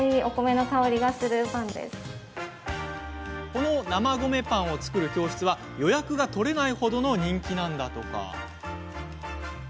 この生米パンを作る教室は予約が取れないほどの人気なんだとか。